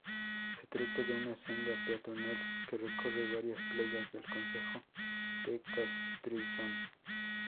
Se trata de una senda peatonal que recorre varias playas del concejo de Castrillón.